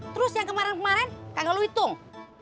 terus yang kemarin kemarin kagak lo hitung